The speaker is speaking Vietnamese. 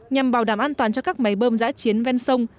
nhằm bảo đảm an toàn cho các máy bơm giã chiến ven sông